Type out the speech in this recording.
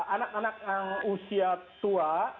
anak anak yang usia tua